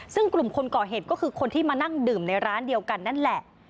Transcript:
ซึ่งกลุ่มคนก่อเหตุก็คือคนที่มานั่งดื่มในร้านเดียวกันนั่นแหละ